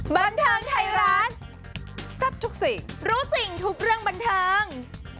บันเทิงไทยรัฐแซ่บทุกสิ่งรู้สิ่งทุกเรื่องบันเทิง